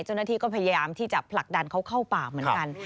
เจ้าหน้าที่ก็พยายามที่จะผลักดันเขาเข้าป่าเหมือนกัน